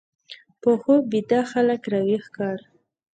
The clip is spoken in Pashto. په خوب بیده هلک راویښ کړ